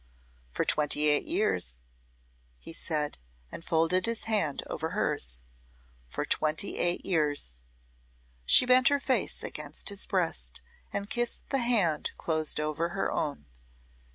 "For twenty eight years," he said, and folded his hand over hers. "For twenty eight years." She bent her face against his breast and kissed the hand closed over her own.